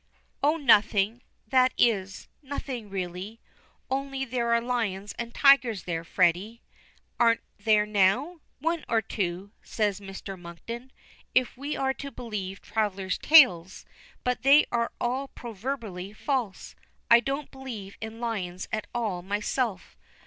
"Oh, nothing that is, nothing really only there are lions and tigers there, Freddy; aren't there, now?" "One or two," says Mr. Monkton, "if we are to believe travelers' tales. But they are all proverbially false. I don't believe in lions at all myself.